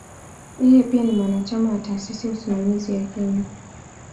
Yeye pia ni mwanachama wa "Taasisi ya Usimamizi ya Kenya".